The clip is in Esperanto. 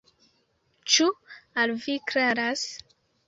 Ĉu al vi klaras?